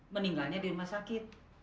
meninggalnya di rumah sakit